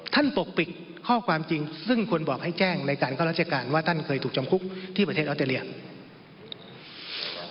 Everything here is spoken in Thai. ปกปิดข้อความจริงซึ่งควรบอกให้แจ้งในการเข้าราชการว่าท่านเคยถูกจำคุกที่ประเทศออสเตรเลีย